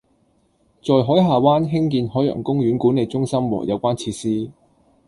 在海下灣興建海洋公園管理中心和有關設施